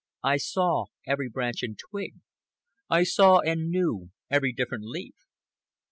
I saw every branch and twig; I saw and knew every different leaf.